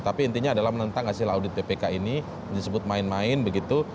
tapi intinya adalah menentang hasil audit ppk ini disebut main main begitu